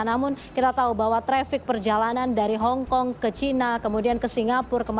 namun kita tahu bahwa trafik perjalanan dari hong kong ke china kemudian ke singapura